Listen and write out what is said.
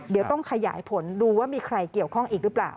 เดี๋ยวต้องขยายผลดูว่ามีใครเกี่ยวข้องอีกหรือเปล่า